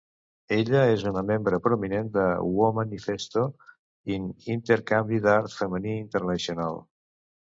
Ella és una membre prominent de Womanifesto, in intercanvi d'art femení internacional.